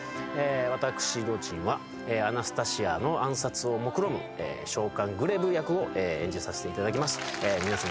私堂珍はアナスタシアの暗殺をもくろむ将官グレブ役を演じさせていただきます皆さん